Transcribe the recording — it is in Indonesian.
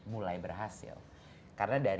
mulai berhasil karena